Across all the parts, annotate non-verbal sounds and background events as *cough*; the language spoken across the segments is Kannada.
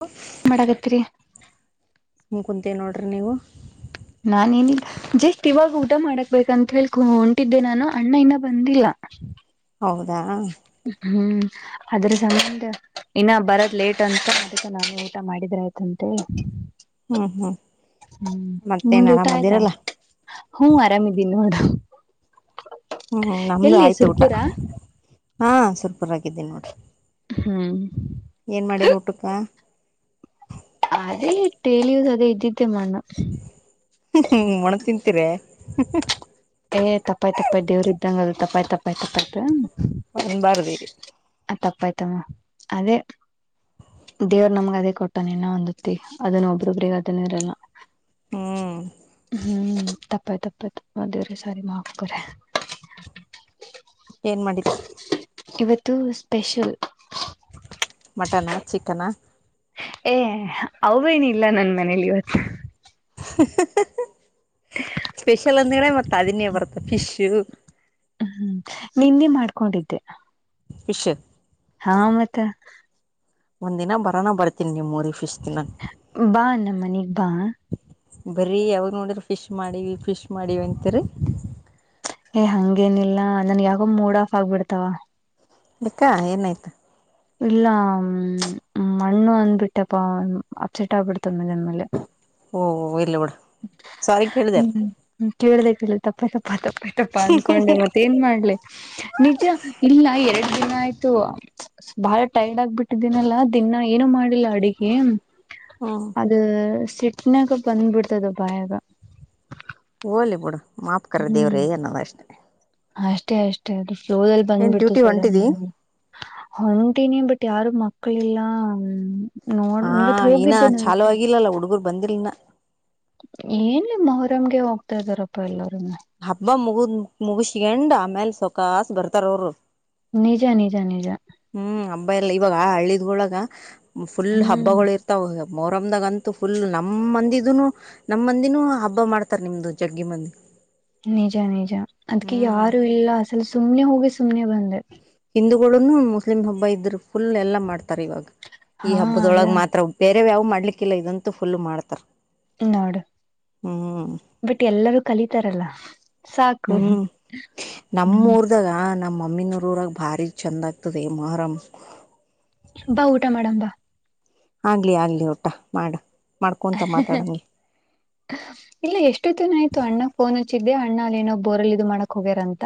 ಹುಫ್ *unintelligible* ಮಾಡಕತ್ರಿ ಸುಮ್ ಕುಂತ ನೋಡ್ರಿ ನೀವು ನಾನೇನಿದ್ದ ಜಸ್ಟ್ ಇವಾಗ ಊಟ ಮಾಡಕ್ಬೇಕಂತ ಹೇಳಿ ಹೊಂಟಿದ್ದೆ ನಾನು ಅಣ್ಣ ಇನ್ನ ಬಂದಿಲ್ಲ ಹೌದಾ ಹ್ಮ್ ಅದ್ರ ಸಂದ ಇನ್ನ ಬರದ್ ಲೇಟ್ ಅಂತ ಅದಸ *unintelligible* ನಾನೇ ಊಟ ಮಾಡಿದ್ರ ಆಯ್ತಂತೆ ಹ್ಮ್ ಹ್ಮ್ ಹ್ಮ್ ಮತ್ತೇನ್ ನಿಮ್ದ ಊಟ ಆಯ್ತಾ ಆರಾಮದಿರಲ್ಲ ಹ್ಮ ಆರಾಮಿದ್ದೀನಿ ನೋಡು ಹ್ಮ್ ನಮ್ದು ಎಲ್ಲಿ ಆಯ್ತು ಊಟ ಸುರ್ಪುರ ಹಾ ಸುರ್ಪರ್ ಆಗಿದ್ದೀ ನೋಡ್ರಿ ಹ್ಮ್ ಏನ್ ಮಾಡಿರ ಊಟಕ್ಕ ಅದೇ ತೇಳಿಯುದ *unintelligible* ಅದೇ ಇದ್ದಿದ್ದೆ ಮಣ್ಣು ಹ್ಮ ಒಣ ತಿಂತಿರಿ ಹ *inaudible* *unintelligible* ತಪ್ಪಾಯ್ತು ತಪ್ಪಾಯ್ ದೇವ್ರ ಇದ್ದಂಗಲ್ಲ ತಪಾಯ್ ತಪ್ಪಾಯ ಅ ನ್ಬಾರ್ದಿ *unintelligible* ಅ ತಪ್ಪಾಯ್ತಮ್ಮ ಅದೇ ದೇವ್ರ ನಮ್ಗ ಅದೇ ಕೊಟ್ಟ ಇನ್ನ ಒಂದತ್ತತಿ ಅದನ್ನ ಒಬ್ರೊಬ್ರಗ ಅದನ್ನ ಇರಲ್ಲ ಹ್ಮ್ ಹ್ಮ್ ತಪ್ಪಾಯ ತಪ್ಪಾಯ ದೇವರೇ ಸಾರಿ ಮಾಫ್ ಕರೋ ಏನ್ ಮಾಡಿರಿ ಇವತ್ತು ಸ್ಪೆಷಲ್ ಮಟನಾ ಚಿಕನಾ ಏ ಅವೇನ ಇಲ್ಲ ನನ್ ಮನೇಲಿ ಇವತ್ತು ಹ *inaudible* ಸ್ಪೆಷಲ್ ಅಂದ್ರೇನೇ ಮತ್ತತ್ ಅದನ್ನೇ ಬರ್ತ ಫಿಶು ಹ್ಮ್ಮ್ ನಿನ್ನೆ ಮಾಡ್ಕೊಂಡಿದ್ದೆ ಫಿಶ್ ಹಾ ಮತ್ತ ಒಂದ್ ದಿನ ಬರೋನ ಬರ್ತೀನಿ ನಿಮ್ ಊರಿಗೆ ಫಿಸ್ ಬಾ ನಮ್ಮ ಮನಿಗೆ ಬಾ ಬರಿ ಯಾವಾಗ ನೋಡದ್ರೆ ಫಿಶ್ ಮಾಡಿ ಫಿಶ್ ಮಾಡಿ ಅಂತರಿ ಏ ಹಂಗೇನಿಲ್ಲ ನನ್ ಯಾವಾಗ ಮೂಡ್ ಆಫ್ ಆಗ್ಬಿಡ್ತಾವ ಎಕ್ಕಾ ಏನಾಯ್ತಾ ಇಲ್ಲ ಹ್ಮ್ ಮಣ್ಣು ಅಂದ್ಬಿಟ್ಟಪ ಅಪ್ಸೆಟ್ ಆಗ್ಬಿಡ್ತ ಮತ್ತಮ್ಮ *unintelligible* ನನ್ ಮೇಲೆ ಓ ಇರ್ಲಿ ಬಿಡು ಸಾರಿ ಕೇಳಿದೆಲ್ಲ ಹ್ಮ್ ಕೇಳ್ದ ಕೇಳ ತಪ್ಪ ತಪ್ಪ ತಪ್ಪ ತಪ್ಪ ಅನ್ಕೊಂಡೆ ಮತ್ತ ಏನ್ ಮಾಡ್ಲಿ ನಿಜ ಇಲ್ಲ ಎ ಎನ ಆಯ್ತು *unintelligible* ಬಾಳ ಟೈರ್ಡ್ ಆಗ್ಬಿಟ್ಟಿದ್ದೀನಲ್ಲಾ ದಿನಾ ಏನು ಮಾಡಿಲ್ಲ ಅಡಿಗೆ ಹ್ಮ್ ಅದು ಚೆಟ್ನಾಗ *unintelligible* ಬಂದ್ಬಿಡ್ತದ ಬಾಯಾಗ ಹೋಗ್ಲಿಬಿಡು ಮಾಫ್ ಕರೋ ಹ್ಮ್ ದೇವ್ರೇ ಅನ್ನದ ಅಷ್ಟನೆ ಅಷ್ಟೇ ಅಷ್ಟೇ ಅ ಫ್ಲೋ ಅಲ್ಲಿ ಬಂದ್ಬಿಡ್ತು ಸಡನ್ ಹೊಂಟಿನಿ *unintelligible* ಬಿಟ್ಟ ಯಾರು ಮಕ್ಕಳ ಎಲ್ಲಾ ಹಾ ನ ಚಾಲು ಆಗಿಲ್ಲಲ್ಲ ಹುಡುಗರ್ ಬಂದಿಲ್ನ ಏನ್ ಮೊಹರಮ್ಗೆ ಹೋಗ್ತಾ ಇದ್ದಾರಪ್ಪ ಎಲ್ಲಾರು ಹಬ್ಬ ಮುಗು *unintelligible* ಮುಗಿಸಿಸಿ ಎಂಡ್ *unintelligible* ಆಮೇಲೆ ಸೊಕಾಸ್ ಬರ್ತಾರ ಅವರು ನಿಜ ನಿಜ ನಿಜ ಹ್ಮ್ ಹಬ್ಬ ಎಲ್ಲಾ ಇವಾಗ ಹಳ್ಳ *unintelligible* ಫುಲ್ ಹ್ಮ್ ಹಬ್ಬಗಳು ಇರ್ತಾವ ಮೊರಮ್ದಾಗ ಅಂತು ಫುಲ್ ನಮ್ಮ ಮಂದಿದುನು ನಮ್ಮ ಮಂದಿನೂ ಹಬ್ಬ ಮಾಡ್ತಾರ ನಿಮ್ದು ಜಗ್ಗಿ ಮಂದಿ ನಿಜ ನಿಜ ಅದ್ಕ ಹ್ಮ್ ಯಾರು ಇಲ್ಲ ಅಸಲ್ ಸುಮ್ನೆ ಹೋಗಿ ಸುಮನೆ ಬಂದೆ ಹಿಂದೂ ನು ಮುಸ್ಲಿಮ್ ಹಬ್ಬ ಇದ್ ಫುಲ್ ಎಲ್ಲ ಮಾಡ್ತಾರೆ ಇವಾಗ ಈ ಹಾ ಅಲ್ಲ ಹಬ್ಬದೊಳಗೆ ಮಾತ್ರ ಬೇರೆ ನೀವ್ *unintelligible* ಯಾವ್ ಮಾಡ್ಲಿಕ್ಕಿಲ್ಲ ಇದಂತೂ ಫುಲ್ ಮಾಡ್ತಾರ ನೋಡು ಹ್ಮ್ ಬಟ್ ಎಲ್ಲರೂ ಕಲಿತಾರಲ್ಲ ಸಾಕು ಹ್ಮ್ ಹ್ಮ್ ನಮ್ಮೂರ್ದಾಗಾ ನಮ್ಮ ಮಮ್ಮಿನೂರು ಊರಾಗ ಭಾರಿ ಚಂದ್ ಆಗ್ತದೆ ಮೊಹರಂ ಬಾ ಊಟ ಮಾಡಮ್ ಬಾ ಆಗ್ಲಿ ಆಗ್ಲಿ ಊಟ ಮಾಡು ಇಲ್ಲ ಎಷ್ಟೋತ್ತಿನ ಆಯ್ತು ಅಣ್ಣ ಫೋನ್ ಹಚ್ಚಿ ಇಗೆ *unintelligible* ಅಣ್ಣಾ ಅಲ್ಲಿನೋ ಬೋರಲ್ಲಿ ಇದು ಮಾಡ ಹೋಗ್ಯಾರಂತ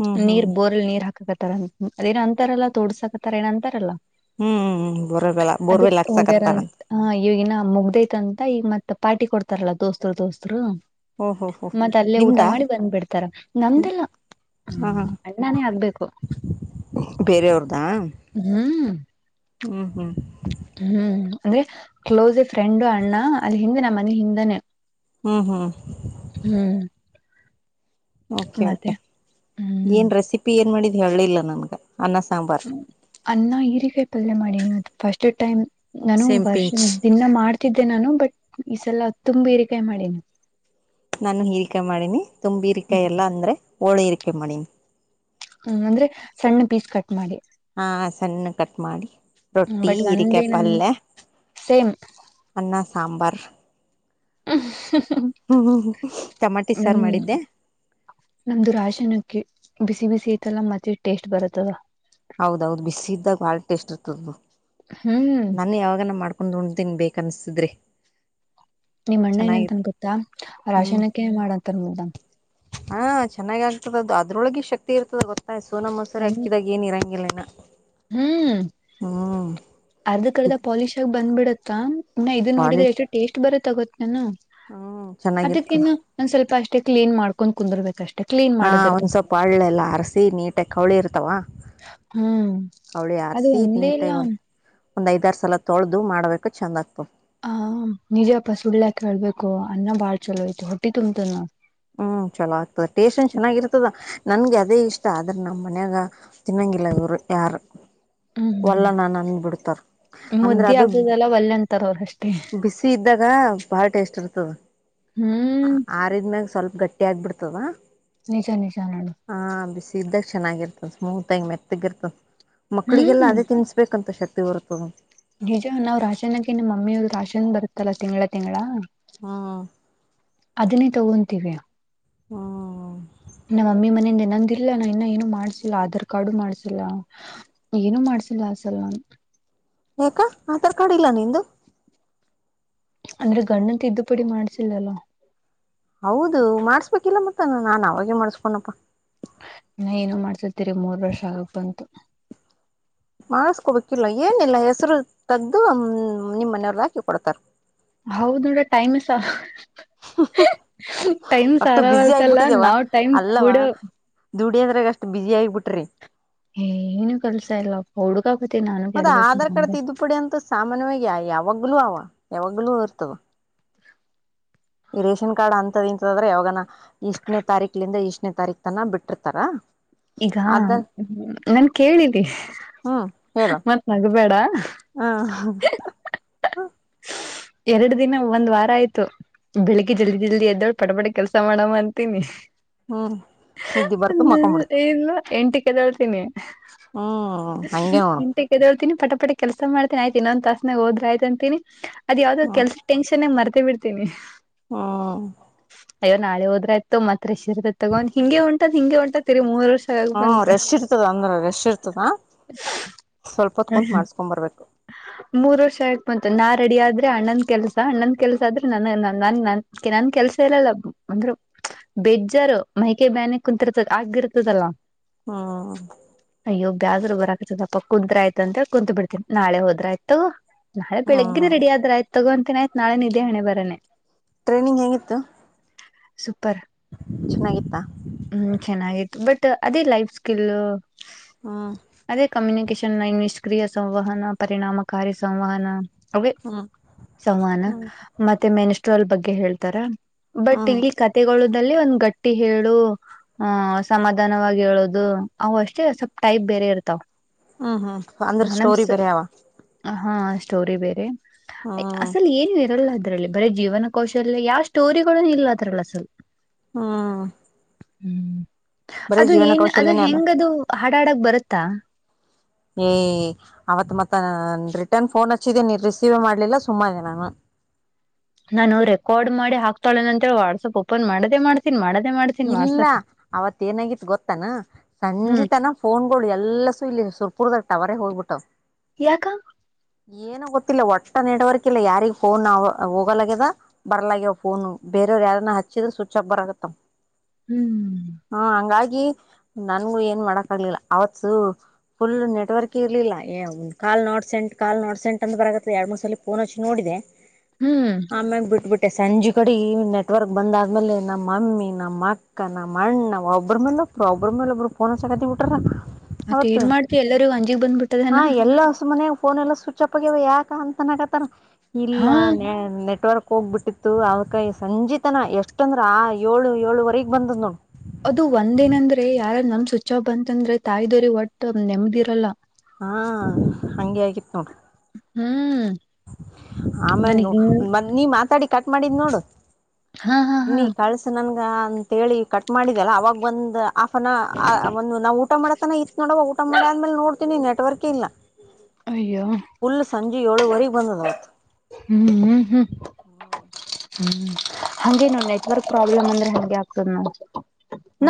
ಹ್ಮ್ *unintelligible* ಹ್ಮ್ ನೀರ್ ಬೋರಲ್ ನೀರ್ ಹಾಕಕತ್ತಾರ ಅದೇನೊ ಅಂತಾರಲ್ಲ ತೋಡ್ಸಾಕತಾರ ಏನ ಅಂತಾರಲ್ಲ ಹ್ಮ್ ಬೋರ್ಲ್ಲ ಬೋರ್ವೆಲ್ ಅದಕ್ ಹಾಕ್ಸಕತ್ತರಂತ ಅಂತ ಈ ಮತ್ತ ಪಾರ್ಟಿ ಕೊಡ್ತಾರಲ್ಲ ದೋಸ್ತುರು ದೋಸ್ತುರು ಓಹೋ ಹೋ ಮತ್ತ ಅಲ್ಲೇ ಊಟ ನಿಮ್ದಾ ಮಾಡಿ ಬಂದ್ಬಿಡ್ತಾರ ನಮ್ದಲ್ಲ ಹ ಹ ಅಣ್ಣಾನೇ ಆಗ್ಬೇಕು ಬೇರೆಯವ್ರದಾ ಹ್ಮ್ ಹ್ಮ್ ಹ್ಮ್ ಹ್ಮ್ ಅಂದ್ರೆ ಕ್ಲೋಸ್ ಫ್ರೆಂಡ್ ಅಣ್ಣ ಅಲ್ಲಿ ಹಿಂದ ನಮ್ ಮನಿ ಹಿಂದೆನೆ ಹ್ಮ್ ಹ್ಮ್ ಹ್ಮ್ ಓಕೆ ಓಕೆ ಮತ್ತೆ ಹ್ಮ್ ಏನ್ ರೆಸಿಪಿ ಏನ್ ಮಾಡಿ ಹೇಳಿಲ್ಲ ನನ್ಗ ಅನ್ನ ಸಾಂಬಾರ್ ಹ ಅನ್ನ ಹೀರಿಕಾಯಿ ಪಲ್ಯ ಮಾಡಿನಿ ನನ್ ಫಸ್ಟ್ ಟೈಮ್ ನಾನು ಸೇಮ್ ವರ್ಷ ಪಿಂಚ್ ದಿನ ಮಾಡ್ತಿದ್ದೆ ನಾನು ಬಟ್ ಈ ಸಲ ತುಂಬ *unintelligible* ಇರಿಕಾಯಿ ಮಾಡಿನ ನಾನು ಹೀರಿಕಾಯ ಮಾಡಿನಿ ತುಂಬ ಹ್ಮ್ ಹೀರಿಕಾಯ ಎಲ್ಲಾ ಅಂದ್ರೆ ಓಳಿರಿಕ್ಕೆ ಮಣಿ ಹ್ಮ್ ಅಂದ್ರೆ ಸಣ್ಣ ಪೀಸ್ ಕಟ್ ಮಾಡಿ ಹಾ ಸಣ್ಣ ಕಟ್ ಮಾಡಿ ರೊಟ್ಟಿ ಬಟ್ ಹಿರಿಕಾಯಿ ಒಂದೇನನ್ ಪಲ್ಯ ಸೇಮ್ ಅನ್ನಾ ಸಾಂಬಾರ್ ಅಹ್ಮ ಹ್ಮ ಟಮಾಟಿ *inaudible* ಮ್ ಸಾರು ಮಾಡಿದ್ದೆ *unintelligible* ನಮ್ದು ರಶಾನಕ್ಕಿ ಬಿಸಿ ಬಿಸಿ ಶೀತಲ್ಲಾ *unintelligible* ಮತ್ತೆ ಟೇಸ್ಟ್ ಬರುತ್ತದ ಕಬ *unintelligible* ಹ್ಮ್ ಬನ್ನಿ ಯಾವಾಗನ ಮಾಡ್ಕ ಉಂಡ್ತಿನ್ ಬೇಕ ಅನ್ಸ್ತಿದ್ರಿ ನಿಮ ಅಣ್ಣ ಏನಂತನ್ ಗೊತ್ತಾ ಹ್ಮ್ ರಾಶನಕ್ಕಿ ಮಾಡಂತನ್ ಉಂಡಾಗ್ ಹಾ ಚೆನ್ನಾಗಿ ಆಗ್ತದದದು ಅದ್ರೊಳಗ ಶಕ್ತಿ ಇರ್ತದ ಗೊತ್ತ ಸೋನಾ ಮೊಸರಿ ಅಕ್ಕಕಿದಾಗ ಏನ್ ಇರಂಗಿಲ್ಲಿನಾ ಹ್ಮ್ ಅರ್ಧಕ್ ಅರ್ಧ ಪಾಲಿಶ್ ಆಗಿ ಬಂದ್ಬಿಡತ್ತ ಕಾಂ ನಾ ಪಾಲಿ ಇದನ್ನೋಡಿದ್ರ ಎಷ್ಟು ಟೇಸ್ಟ್ ಬರತ್ ತಗೊ ನು ಹ್ಮ್ ಅದಕ್ಕ ಚೆನ್ನಾಗಿರ್ತದ ಇನ್ನು ಒನ್ ಸ್ವಲ್ಪ ಅ ಕ್ಲೀನ್ ಮಾಡ್ಕೊಂಡ್ ಕುಂದರ್ಬೇಕಷ್ ಹಾ ಒಂದ್ ಸ್ವಲ್ಪ್ ಅಳ್ಳೆಲ್ಲ ಅರಸಿ ನೀಟಗ್ ಕವಳಿ ಇರ್ತಾವ. ಹ್ಮ್ ಕವಳಿ ಅದು ಆರ್ಸಿ ಒಂದೇ ಇಲ್ಲ ನೀಟಾಗಿ ಒಂದ್ ಒಂದ್ ಐದಾರ್ ಸಲ ತೊಳ್ದು ಮಾಡ್ಬೇಕ ಚಂದ ಆಗ್ತಾವ್. ಹಾಂ ನಿಜಪ್ಪ ಸುಳ್ಯಾಕ್ ಹೇಳ್ಬೇಕು ಅನ್ನ ಬಾಳ್ ಚುಲೋ ಐತಿ ಹೊಟ್ಟಿ ತುಂಬ್ತಿಂದನಾ. ಹ್ಮೂ ಚುಲೋ ಆಗ್ತದ ಟೇಷ್ಟೇನ್ ಚೆನ್ನಾಗಿರ್ತದ. ನನ್ಗ್ ಅದೇ ಇಷ್ಟ ಆದರ ನಮ್ಮನ್ಯಾಗ ತಿನ್ನಂಗಿಲ್ಲ ಇವ್ರು ಯಾರು. ಹ್ಮ್ ಒಲ್ಲ ನಾನ್ ಅಂದ್ ಬಿಡ್ತಾರ ಅಂದ್ರ ಮುದ್ದಿ ಅದು ಆಗುದಲ್ಲ ಒಲ್ಲೆ ಅಂತಾರ ಅವ್ರ ಅಷ್ಟೇ ಬಿಸಿ ಇದ್ದಾಗ ಭಾಳ ಟೇಸ್ಟ್ ಇರ್ತದ ಹ್ಮ್ ಆರಿದ್ಮ್ಯಾಗ್ ಸ್ವಲ್ಪ್ ಗಟ್ಟಿ ಆಗ್ಬಿಡ್ತದ. ನಿಜಾ ನಿಜಾ ನೋಡು. ಇದ್ದಾಗ್ ಚೆನ್ನಾಗಿರ್ತದ್ ಸ್ಮೂತ್ ಆಗಿ ಮೆತ್ತಗಿರ್ತದ. ಮಕ್ಕಳಿಗೆಲ್ಲ ಹ್ಮ್ ಅದೇ ತಿನ್ಸ್ಬೇಕಂತ ಶಕ್ ಕ್ತಿ ಬರ್ತದ. ನಿಜ ನಾವ್ ರಾಶನಕ್ಕಿ ನಿಮ್ ಮಮ್ಮಿಯವ್ರ ರಾಶನ್ ಬರುತ್ತಲ್ಲಾ ತಿಂಗ್ಳ ತಿಂಗ್ಳ ಹ್ಮ್ ಅದನ್ನೇ ತಗೊ ತೀವಿ. ಹ್ಮೂ. ನಮ್ ಮಮ್ಮಿ ಮನೆಯಿಂದ್ ಇನ್ನೊಂದ್ ಇಲ್ಲ ನಾ ಇನ್ನ ಏನೂ ಮಾಡ್ಸಿಲ್ಲ. ಆಧಾರ್ ಕಾರ್ಡೂ ಮಾಡ್ಸಿಲ್ಲ ಏನೂ ಮಾಡ್ಸಿಲ್ಲ ಆ ಸಲ ನಾನ್. ಯಾಕ ಆಧಾರ್ ಕಾರ್ಡ್ ಇಲ್ಲ ನಿಂದು. ಅಂದ್ರೆ ಗಂಡನ್ ತಿದ್ದುಪಡಿ ಮಾಡ್ಸಿಲ್ಲಲ್ಲ. ಹೌದು ಮಾಡಸ್ಬೇಕಿಲ್ಲ ಮತ್ತ ನ ನಾನ್ ಅವಾಗೆ ಮಾಡಸ್ಕೊಡ್ನೆಪ್ಪಾ. ನಾ ಏನು ಮಾಡ್ಸಿಲ್ ತಿರಿಗಿ ಮೂರ್ ವರ್ಷ ಆಗಕ್ ಬಂತು. ಮಾಡ್ಸ್ಕೊಬೇಕಿಲ್ಲಾ ಏನಿಲ್ಲ ಹೆಸರು ತಗ್ದು ನಿಮ್ ಮನೆಯವ್ರದ್ ಹಾಕಿ ಕೊಡ್ತಾರ. ಹೌದ್ ಬಿಡ ಟೈಮೆ ಸಾ ಟೈಮ್ ಅಷ್ಟು ಬಿಸಿ ಸಾರಾವಲ್ತಲ್ಲ ನಾವು ಟೈಮ್ ಕೂಡ ದುಡಿಯದ್ರಾಗ್ ಅಷ್ಟು ಬಿಜಿ ಆಗ್ಬಿಟ್ರಿ. ಏನು ಕೆಲ್ಸ ಇಲ್ಲಪ್ಪ ಹುಡುಕ್ ಮತ್ ಆಧಾರ್ ಕಾರ್ಡ್ ತಿದ್ದುಪಡಿ ಅಂತು ಸಾಮಾನ್ಯವಾಗಿ ಯಾ ಯಾವಾಗ್ ಗ್ಲೂ ಅವ ಯಾವಾಗ್ಲೂ ಇರ್ತದ. ಈ ರೇಷನ್ ಕಾರ್ಡ್ ಅಂತವ್ ಇಂತದ್ರೆ ಯಾವಾಗನ ಇಷ್ಟನೇ ತಾರೀಖಿಲಿಂದ ಇಷ್ಟನೇ ತಾರೀಖ್ತನ ಬಿಟ್ಟಿರ್ತಾರ. ಈಗ ಅದ ನನ್ ಕೇಳಿದ್ದಿ ಹ್ಮ್ ಹೇಳು ಮತ್ತ್ ನಗಬೇಡ. ಹ *inaudible* ಎರಡ್ ದಿನ ಒಂದ್ ವಾರ ಆಯ್ತು ಬೆಳಿಗ್ಗೆ ಜಲ್ದಿ ಜಲ್ದಿ ಎದ್ದೋಳು ಪಟ ಪಟಿ ಕೆಲ್ಸ ಮಾಡಮ್ಮ ಅಂತೀನಿ. ಹ್ಮ್ ನಿದ್ದೆ ಬರ್ತ ಮಕೊಂಬಿಡ್ತ ಇಲ್ವಾ ಎಂಟಕ್ಕೆದೊಳ್ತೀನಿ ಹ್ಮ್ ಹಂಗೆ ನೋಡು ಎಂಟಕ್ಕೆದೊಳ್ತೀನಿ ಪಟಪಟ. ಕೆಲಸ ಮಾಡತೀಿ ಆಯತ ಇನ್ನೊಂದು ತಾಸನಾಗ ಹೋದ್ರ ಆಯ್ತು ಅಂತ ಹೇಳಿ. *inaudible* ಅದ ಯಾವ್ದಾವ್ ಕೆಲ್ಸ ಟೆನ್ಶನ್ಗ ಮರತ ಮತ್ತೆ ಬಿಡ್ತೀನಿ. ಹಾ. ಅಯ್ಯೋ ನಾೆ ಹೋದರ ಆಯ್ತು ತಗೋ ಮತ್ತ ರಷ್ ತಗೊಂಡ್ ಹಿಂಗಗೆಂಟದ ಹಿಂಗೆಂಟತ್ರಿ ತಿರುಗಿ ಮೂರ್ ವರ್ಷ ಆಗ್ ಹ್ಮ ಬಂತು ರೆಶ್ ಇರ್ತದ ಅಂದ್ರ ರೆಶ್ ಇರ್ತದ ಸ್ವಲ್ಪ ಹೊತ್ ಕುತ್ ಮಾಡಸ್ಕೊ್ ಬರ್ಬೇಕು. ಮೂರ್ ವರ್ಷ ಆಯತ ಬಂತ ನಾ ರೆಡಿ ಆದ್ರೆ ಅಣ್ಣಂದ ಕೆಲ್ಸ ಅಣ್ಣಂದ ಕೆಲ್ಸ ಆದ್ರೆ ನನ್ನ ನನ್ ನನ್ ನನ್ ಕೆಲ್ಸ ಇಲ್ಲಲ್ಲ ಅಂದ್ರರು ಬೇಜ್ಜಾರ ಮೈಕೆ ಬ್ಯಾನೆ ಕುಂತರ್ತದ ಆಗಿರ್ತದಲ್ಲ. ಹ್ಮ್. ಇ ಬ *unintelligible* ಆದ್ ಬರಾಕತದಪ್ಪ ಕುಂತ್ ಆಯತ ಅಂತ ಕುಂತತ್ ಬಿಡ್ತನಿ. ನಾಳೆ ಹೋದ್ರ ಆಯ್ತು. ನಾಳ ಬೆಳಗ್ಗೆ ಹ್ಮ್ ರಡಿ ಆದ್ರ ಆಯತು ತಗೋಂತನ ಆಯ್ತ ನಾಳೆ ನಿಿದ್ದೇ ಹಣೆ ಬರೇನೆ. ಟ್ರೈನಿಂಗ್ ಹೆಂಗಿತ್ತು. ಸುಪರ್. ಚೆನ್ನಾಗಿತ್ತಾ. ಹ್ಮ್ ಚೆನ್ನಾಗಿತ್ತು ಬಟ್ ಅದೇ ಲೈಫ್ ಸ್ಕಿಿಲ್ಲ. ಹ್ಮ್ ಅದೇ ಕಮ್ಯುನಿಕೇಶ. ಚೆನ್ನಾಗಿ ನಿಷ್ಕ್ರಿಯ ಸಂವಹನ ಪರಿಣಾಮಕಾರಿ ಸಂವಹನ. ಅವೇ ಹ್ಮ್ ಸಮಾನ ಹ್ಮ್ ಮತ್ತೆ ಮೆನಸ್ಟ್ರಾಲ್ ಬಗ್ಗೆ. ಹಾಗೆ ಹೇಳ್ತಾರಾ. ಬಟ್ ಹ್ಮ್ ಇಲ್ಲಿ ಕತೆಗಳು. *inaudible* ಲ್ಲಿ ಒಂದು್ ಗಟ್ಟಿ ಹೇಳು. ಹ ಸಮಾಧಾನವಾಗಿ ಹೇಳೋದು ಅ ಅಷ್ಟೇ ಸ್ವಲ್ಪ್ ಟೈಪ್ ಬೇರೆ ಇರ್ತಾವ. ಹ್ಮ್ ಹ್ಮ್ ಅಂದ್ರೆ ಸ್ಟೋರಿ ನಮ್ಸ್ ಬರಾವ. ಹಾ ಸ್ಟೋರಿ ಬೇರೆ. ಅಸಲ್ ಏನು ಇರಲ್ಲ. ಅದ್ರಲ್ಲಿ ಬರೀ ಜೀವನ ಕೌಶಲ್ಯ ಯಾವ ಸ್ಟೋರಿಗಳ ಇಲ್ಲ ಅದ್ರಲ್ಲಿ ಅಸಲ್. ಹ್ಮ. ಹ್ಮ್. ಅದು ಏನ್ ಅದು ಕೌಶಲ್ಯನೇ ಅದ ಹೆಂಗದು. ಹಾಡ್ ಹಾಡಕ್ ಬರತ್ತಾ. ಏಯ್ ಅವತ್ ಮತ್ತ ರಿಟರ್ನ್ ಫೋನ್ ಹಚ್ಚಿದೀ ನೀ ರಿಸೀವ್ ಮಾಡ್ಲಿಲ್ಲ ಸುಮ್ಮ ಆದೆ ನಾನು. ನಾನು ರೆಕಾರ್ಡ್ ಮಾಡಿ ಹಾಕ್ತಾಳೆ ಅಂತೇಳಿ ವಾಟ್ಸಪ್ ಓಪನ್ ಮಾಡದ ಮಾಡ್ತೀನಿ ಮಾಡ ಇಲ್ಲ ಅವತ್ ಏನಾಗಿತ್ತು ಗೊತ್ತನ ಹ್ಮ್ ಸಂಜಿತನ ಫೋನ್ಗಳು ಎಲ್ಲಸು ಇಲ್ಲಿ ಸುರ್ಪುರ್ದಾಗ ಟವರ್ ರೇ ಹೋಗ್ಬುಟ್ಟಾವ್. ಯಾಕ. ಏನೋ ಗೊತ್ತಿಲ್ಲ ಒಟ್ಟ ನೆಟವರ್ಕಿಲ್ಲ ಯಾರಿಗ್ ಫೋನ್ ಹೋಗಲಾಗ್ಯದ ಬರ್ಲಗ್ಯವ ಫೋನು ಬೇರೇವ್ರ ಯಾರನ ಹಚ್ಚಿದ್ರ ಸ್ವಿಚ್ ಆಫ ಬರಾಕತ್ತಾವ್. ಹ್ಮ್ ಹಾ ಹಂಗಾಗಿ ನನ್ಗು ಏನ್ ಮಾಡಕ್ ಆಗ್ಲಿಲ್ಲ ಅವತ್ತು ಫುಲ್ ನೆಟ್ವರ್ಕೇ ಇರ್ಲಿಲ್ಲ call not sent call not sent ಅಂತ ಬರಾಕತ್ತಿತ್ತ ಎರಡು ಮೂರ್ ಸಲಿ ಫೋನ್ ಹಚ್ಚಿ ನೋಡಿದೆ. ಹ್ಮ್ ಆಮ್ಯಾಗ ಬಿಟ್ಬಿಟ್ ಸಂಜೀಕಡಿ ನೆಟ್ವರ್ಕ್ ಬಂದಾದ್ಮೇಲೆ ನಮ್ಮ ಮಮ್ಮಿ, ನಮ್ಮ ಅಕ್ಕ, ನಮ್ಮ ಅಣ್ಣ, ಒಬ್ರ ಮೇಲೆೊಬ್ಬ್ರ, ಒಬ್ರ ಮೇಲೆೊಬ್ಬ್ರ ಫೋನ್ ಹಚ್ಚಾಕತ್ತಿ ಬಿಟ್ಟರ. ಮತ್ತ ಏನ್ ಮಾಡ್ತಿ ಎಲ್ಲರಿಗೂ ಅಂಜಿಕ ಬಂದ್ಬಿಟ್ ಹಾ ಎಲ್ಲಾ ಮನ್ಯಾಗ ಫೋನ್ ಎಲ್ಲ ಸ್ವಿಚ್ ಅಪ್ ಆಗ್ಯಾವ ಯಾಕ ಅಂತನ್ನಾಕತ್ತಾರ. ಇಲ್ಲ ಹಾ ನೆ ನೆಟ್ವರ್ ಹೋಗ್ಬಿಟ್ಟಿತ್ತು ಅವ್ಕಾಯ ಸಂಜಿತನ ಎಷ್ಟ ಅಂದ್ರ ಆ ಏಳು ಏಳುವರೆಗೆ ಬಂದದ್ ನೋಡು. ಅದು ಒಂದೇನಂದ್ರೆ ಯಾರ ನಮ್ ಸ್ವಿಚ್ ಆಫ್ ಬಂತಂದ್ರೆ ತಾಯಿದೊರಿಗೆ ಒಟ್ಟ ನೆಮ್ದಿರಲ್ಲ. ಹಾ ಹಂಗೆ ಆಗಿತ್ತ್ ನೋಡ. ಹ್ಮೂ. ಆಮೇನ್ ನೋ, ಮತ್ ನೀ ಮಾತಾಡಿ ಕಟ್ ಮಾಡಿದ್ನೋಡ. ಹಾ ಹಾ ಹಾ ನೀ ಕಳಸ ನನ್ಗ್ ಅಂತೇಳಿ ಕಟ್ ಮಾಡಿದೆಲ್ಲ ಅವಾಗ ಒಂದ್ ಹಾಫ್ ಆನ್ ಆರ್ ಒಂದು ನಾವ್ ಊಟ ಮಾಡತನ ಇತ್ ನೋಡವ ಊ ಟ ಮಾಡಿ ಆದ್ಮೇಲೆ ನೋಡ್ತೀನಿ ನೆಟ್ವರ್ಕ್ ಇಲ್ಲ. ಅಯ್ಯೋ. ಯೋಳುವರಿ ಬಂದದ. ಹ್ಮೂ ಹ್ಮು ಹ್ಮ್. ಹಂಗೇ ನೋಡು ನೆಟ್ವರ್ಕ್ ಪ್ರಾಬ್ಲಮ್ ಅಂದ್ರೆ ಹಂಗೆ ಆಗ್ತದ ನೋಡ.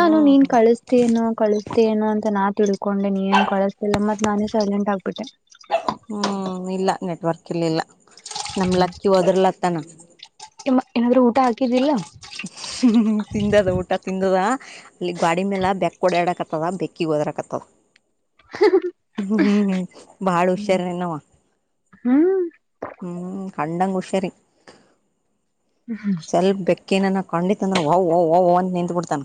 ನಾನು ನೀನ್ ಕಳಿಸ್ತಿ ಏನೊ ಕಳಿಸ್ತೇನೋ ಅಂತ ನಾ ತಿಳ್ಕೊಂಡೆ ನೀ ಏನ್ ಕಳಸ್ತಿಲ್ಲ ಮತ್ತ್ ನಾನೇ ಸೈಲೆಂಟ್ ಆಗ್ಬಿಟ್ಟೆ. ಹ್ಮ್ ಇಲ್ಲ ನೆಟ್ವರ್ಕ್ ಇರ್ಲಿಲ್ಲ ನಮ್ ಲಕ್ಕಿ ಓದರ್ಲತ್ತನ. ಇಲ್ಲ ಏನಾದರೂ ಊಟ ಹಾಕಿದ್ದಿಲ್ಲ. ಹ್ಮ ತಿಂದದ ಊಟ ತಿಂದದ. ಇಲ್ಲಿ ಗ್ವಾಡಿ ಮೇಲೆ ಬೆಕ್ಕ್ ಓಡ್ಯಾಡಕತ್. *unintelligible* ಬೆಕ್ಕಿಗೆ ಓದ್ರಾ ಕತ್ತದ ಹ್ಮ ಹ್ಮ್ ಹ್ಮ್ ಬಹಾಳ ಹುಷಾರ ನವ ಹ್ಮ್ ಹ್ಮ್. ಕಂಡಂಗುಷರಿ. ಸ್ವಲ್ಪ ಬೇಕ್. ಕ್ಕೇನ ಕಂಡಿತತ್ಂದ್ರ ವಓ್ವ ವಓ್ವ ಓವ್ ಅಂತ ನಿಂತತ್ ಬಿಡ್ತಾನ.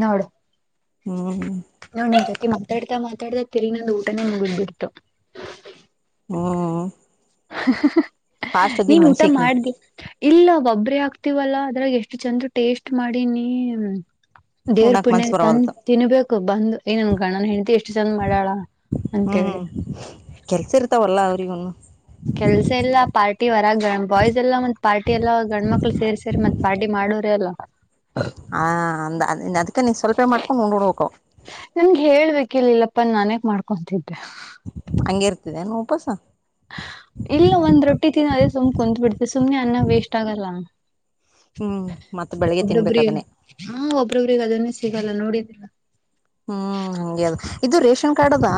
ನೋಡು ಹ್ಮ್ ನೋಡ್ ನಿನ್ ಜೊತಿ ಮಾತಾಡ್ತಾ ಮಾ ತಾಡಿ ತಿರಿಗೊಂದು ಊಟನೇ ಮುಗುದ್ಬಿಡ್ತು. ಹ್ಮ ಹ್ಮ್ ಹ್ಮ ಹ್ಮ ನೀನ್ ಊಟ ನೀ ಮಾಡ್ದಿ ಇಲ್ಲ ಒಬ್ರೆ ಆಗ್ತಿವಲ್ಲಾ. ಬೆಳಿಗ್ಗೆ ಎಷ್ಟು ಚಂದ್ ಟೇಸ್ಟ್ ಮಾಡಿನಿ. ದೇವ್ರ ಉಣಾಕ್ ಪುಣ್ಯ ಮನ್ಸ ತಂದ್ ಬರವಲ್ತು ತಿನ್ಬೇಕ ಬಂದು ಏನನ್ ಗಂಡನ ಹೆಂಡತಿ ಎಷ್ಟು ಚಂದ ಮಾಡಾಳ ಅಂತೇಳಿ. ಹ್ಮ್ ಕೆಲ್ಸ ಇರ್ತಾವಲ್ಲ ಅವ್ರಿಗನು ಕೆಲ್ಸಿಲ್ಲ ಪಾರ್ಟಿ ವರಾಗ ಗ ಬಾಯ್ಸ್ ಎಲ್ಲಾ ಮತ್ ಪಾರ್ಟಿ ಎಲ್ಲ ಗಂಡ್ಮಕ್ಳ ಸೇರಿ ಸೇರಿ ಮತ್ತ್ ಪಾರ್ಟಿ ಮಾಡೋರೆ ಅಲ್ಲ. ಆ ಅಂದ್ ಅದ್ಕ ನೀನ್ ಸ್ವಲ್ಪೇ ಮಾಡ್ಕೊಂಡು ಉಂಡ್ಬಿಡಬೇಕ. ಕೇಲ್ಲಿಲ್ಲಪ್ಪ ನಾನೇಕ ಮಾಡ್ಕೊಂತಿದ್ದೆ. ಹಂಗೆ ಇರ್ತದ ಉಪಾಸ. ಇಲ್ಲ ಒಂದ್ ರೊಟ್ಟಿ ತಿನ್ನೋ ಅದೇ ಸುಮ್ ಕುಂತ್ ಬಿಡ್ತ ಸುಮ್ನೆ ಅನ್ನ ವೇಸ್ಟ್ ಆಗಲ್ಲ. ಹ್ಮ್ ಮತ್ತ ಬೆಳಿಗ್ಗೆ ತಿನ್ಬೇಕ ಒಬ್ರೊಬ್ರಿ ಅದನ್ನೇ ಹ ಒಬ್ರೊಬ್ರಿಗೆ ಅದೇನೆ. ಸಿಗಲ್ಲ ನೋಡಿದ್ದಿಲ್ಲ. ಹ್ಮ್ ಹಂಗೆ ಅದು ಇದು ರೇಷನ್ ಕಾರ್ಡ್ ಅದಾ.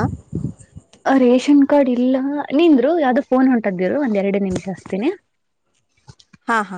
ಹ ರೇಷನ್ ಕಾರ್ಡ್ ಇಲ್ಲ ನಿಂದ್ರು ಯಾವ್ದೋ ಫೋನ್ ಹೊಂಟದ. ಇರು ಒಂದ್ ಎರಡು ನಿಮಿಷ ಹಸ್ತೀನಿ. ಹಾ ಹಾ